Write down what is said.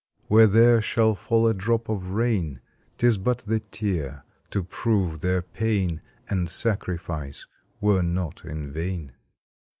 Where there shall fall a drop of rain Tis but the tear to prove their pain And sacrifice were not in vain.